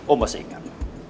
om masih ingat